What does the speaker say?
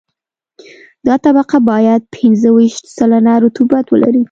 دا طبقه باید پنځه ویشت سلنه رطوبت ولري